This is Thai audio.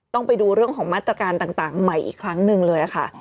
ต้องไปดูเรื่องของมาตรการต่างใหม่อีกครั้งหนึ่งเลยค่ะ